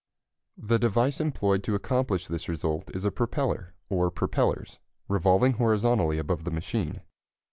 The device employed to accomplish this result is a propeller, or propellers, revolving horizontally above the machine.